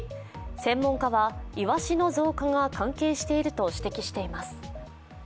専門家は、イワシの増加が関係していると指摘しています。